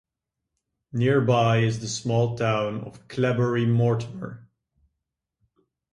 Nearby is the small town of Cleobury Mortimer.